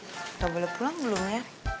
kita boleh pulang belum ya